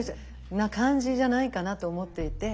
な感じじゃないかなと思っていて。